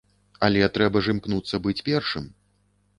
Але трэба ж імкнуцца быць першым.